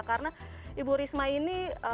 karena ibu risma ini